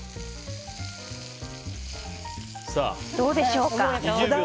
どうでしょうか？